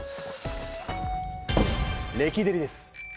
レキデリです。